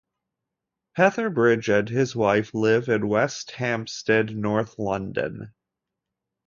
Petherbridge and his wife live in West Hampstead in North London.